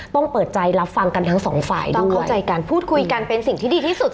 เปิดใจรับฟังกันทั้งสองฝ่ายต้องเข้าใจกันพูดคุยกันเป็นสิ่งที่ดีที่สุด